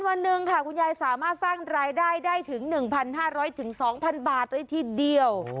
วันหนึ่งค่ะคุณยายสามารถสร้างรายได้ได้ถึง๑๕๐๐๒๐๐บาทเลยทีเดียว